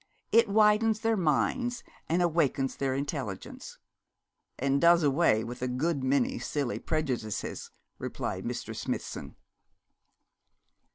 It widens their minds and awakens their intelligence.' 'And does away with a good many silly prejudices,' replied Mr. Smithson.